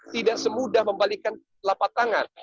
tidak semudah membalikan lapak tangan